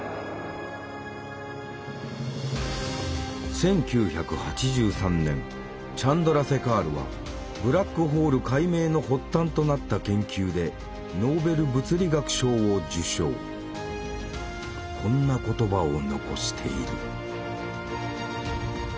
１９８３年チャンドラセカールはブラックホール解明の発端となった研究でこんな言葉を残している。